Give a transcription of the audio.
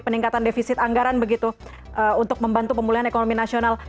peningkatan defisit anggaran begitu untuk membantu pemulihan ekonomi nasional